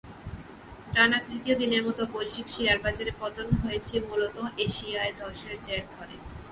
টানা তৃতীয় দিনের মতো বৈশ্বিক শেয়ারবাজারে পতন হয়েছে মূলত এশিয়ায় ধসের জের ধরে।